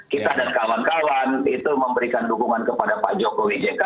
kita dan kawan kawan itu memberikan dukungan kepada pak jokowi jk